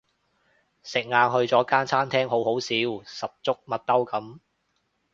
食晏去咗間餐廳好好笑十足麥兜噉